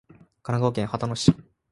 神奈川県秦野市